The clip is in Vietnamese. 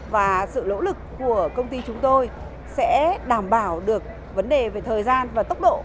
và sự nỗ lực của công ty chúng tôi sẽ đảm bảo được vấn đề về thời gian và tốc độ